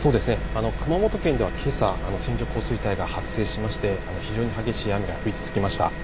熊本県はけさ線状降水帯が発生しまして非常に激しい雨が降り続きました。